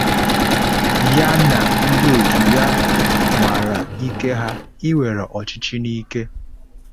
ya na ndị otu ya nwara ike ha iwere ọchịchị n’ike